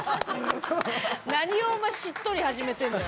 何をお前しっとり始めてるんだよ。